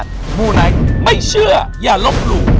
อยู่ที่แม่ศรีวิรัยิลครับ